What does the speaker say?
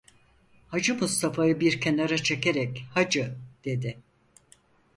Hacı Mustafa'yı bir kenara çekerek: - Hacı, dedi.